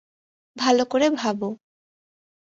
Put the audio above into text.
ভালো করে ভাবো।